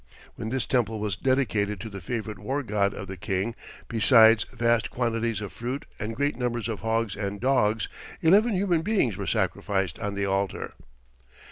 When this temple was dedicated to the favourite war god of the King, besides vast quantities of fruit and great numbers of hogs and dogs, eleven human beings were sacrificed on the altar.